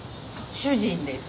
主人です。